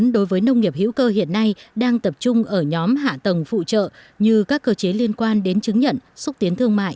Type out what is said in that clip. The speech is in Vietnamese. đó là sản phẩm hữu cơ của việt nam